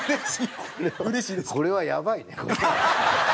これはやばいね。